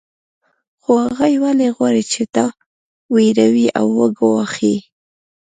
خو هغوی ولې غواړي چې تا وویروي او وګواښي